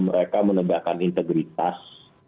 mereka menegakkan integritas